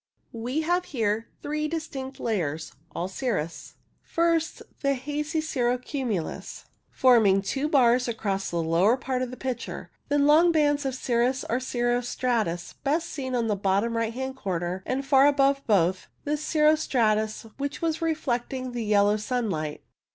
We have here three dis tinct layers, all cirrus. First, the hazy cirro cumulus, a, > CO CIRRO MACULA 53 forming two bars across the lower part of the picture ; then long bands of cirrus or cirro stratus, best seen in the bottom right hand corner ; and, far above both, the cirro stratus which was reflecting the yellow sun light.